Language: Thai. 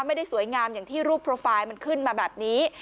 ไม่ได้สวยงามอย่างที่รูปโปรไฟล์มันขึ้นมาแบบนี้